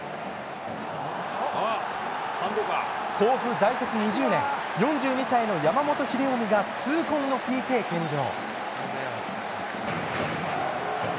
甲府在籍２０年、４２歳の山本英臣が痛恨のＰＫ献上。